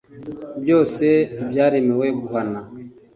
byose byaremewe guhana.